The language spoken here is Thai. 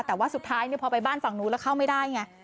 แต่ว่าสุดท้ายพอไปบ้านฝั่งนู้นแล้วเข้าไม่ได้ไง